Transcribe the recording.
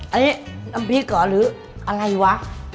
อันนี้น้ำพริกหรืออะไรวะ